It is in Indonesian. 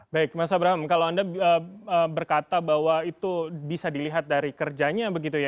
baik mas abraham kalau anda berkata bahwa itu bisa dilihat dari kerjanya begitu ya